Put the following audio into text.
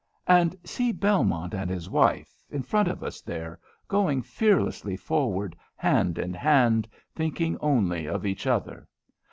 And see Belmont and his wife, in front of us, there, going fearlessly forward, hand in hand, thinking only of each other.